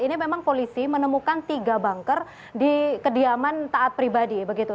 ini memang polisi menemukan tiga banker di kediaman taat pribadi begitu